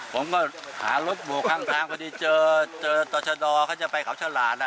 ผมก็หารถโบกข้างทางพอดีเจอเจอต่อชะดอเขาจะไปเขาฉลาด